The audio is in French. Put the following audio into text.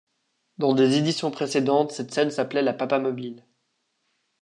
Dans des éditions précédentes, cette scène s'appelait la Papamobile.